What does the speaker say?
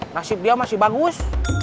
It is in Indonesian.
nasib dia masih bangun